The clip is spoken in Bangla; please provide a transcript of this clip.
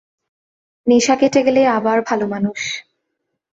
নেশা কেটে গেলেই আবার ভালোমানুষ।